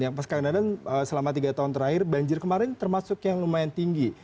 yang pas kang dadan selama tiga tahun terakhir banjir kemarin termasuk yang lumayan tinggi